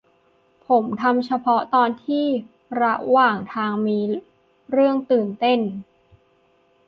ผมทำเฉพาะตอนที่ระหว่างทางมีเรื่องตื่นเต้น